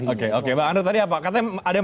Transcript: oke oke bang andre tadi apa katanya ada